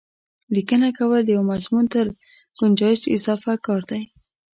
لیکنه کول د یوه مضمون تر ګنجایش اضافه کار دی.